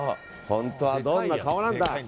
本当はどんな顔なんだ？